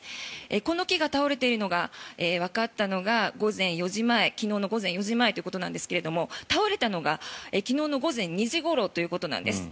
この木が倒れているのがわかったのが昨日の午前４時前ということですが倒れたのが昨日の午前２時ごろということなんです。